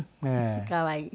可愛い。